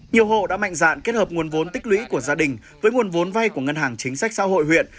nhiều hộ đã mạnh dạn kết hợp nguồn vốn tích lũy của gia đình với nguồn vốn vay của ngân hàng chính sách xã hội huyện